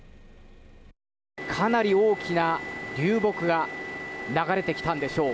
かなり大きな流木が流れてきたんでしょう。